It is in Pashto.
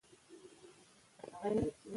آیا کمپیوټر لا تر اوسه روښانه دی؟